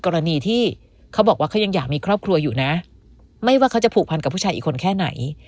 กรณีที่เขาบอกว่าเขายังอยากมีครอบครัวอยู่นะไม่ว่าเขาจะผูกพันกับผู้ชายอีกคนแค่ไหน